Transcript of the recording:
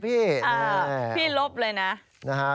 พี่ลบเลยนะ